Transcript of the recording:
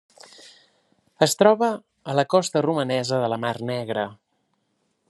Es troba a la costa romanesa de la Mar Negra.